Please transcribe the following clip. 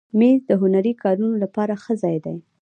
مېز د هنري کارونو لپاره ښه ځای دی.